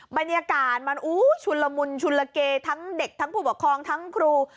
บรรยากาศมันชุนละมุนชุนละเกทั้งเด็กทั้งผู้ปกครองทั้งครู